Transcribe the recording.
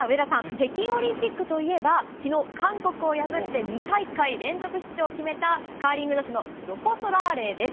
北京オリンピックといえば昨日、韓国を破って２大会連続出場を決めたカーリング女子のロコ・ソラーレです。